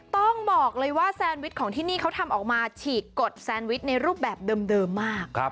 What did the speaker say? ต้องบอกเลยว่าแซนวิชของที่นี่เขาทำออกมาฉีกกดแซนวิชในรูปแบบเดิมมาก